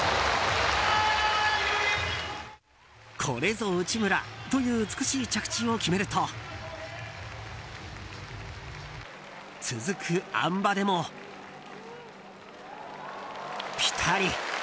これぞ内村という美しい着地を決めると続くあん馬でも、ピタリ。